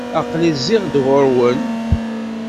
Aql-i zziɣ-d ɣur-wen.